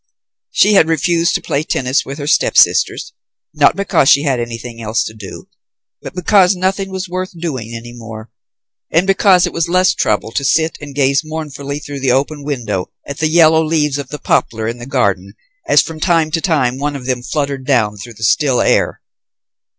She had refused to play tennis with her stepsisters, not because she had anything else to do, but because nothing was worth doing any more, and because it was less trouble to sit and gaze mournfully through the open window at the yellow leaves of the poplar in the garden, as from time to time one of them fluttered down through the still air.